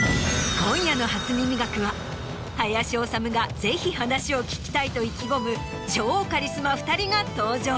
今夜の『初耳学』は林修がぜひ話を聞きたいと意気込む超カリスマ２人が登場！